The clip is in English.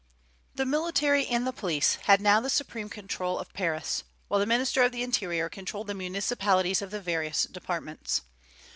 The military and the police had now the supreme control of Paris, while the minister of the interior controlled the municipalities of the various departments.